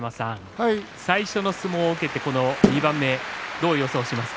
最初の相撲を受けて、この２番目どう予想しますか。